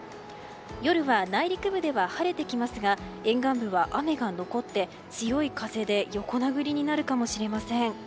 夜は内陸部では晴れてきますが沿岸部では雨が残って強い風で横殴りになるかもしれません。